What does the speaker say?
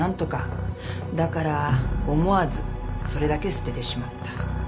だから思わずそれだけ捨ててしまった。